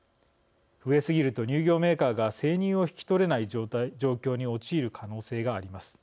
増えすぎると乳業メーカーが生乳を引き取れない状況に陥る可能性があります。